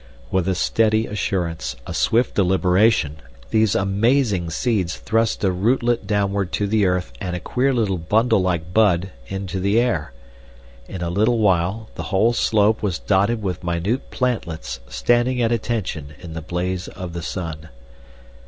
With a steady assurance, a swift deliberation, these amazing seeds thrust a rootlet downward to the earth and a queer little bundle like bud into the air. In a little while the whole slope was dotted with minute plantlets standing at attention in the blaze of the sun.